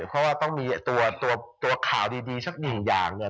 เพราะว่าต้องมีตัวข่าวดีสักหนึ่งอย่างเนี่ย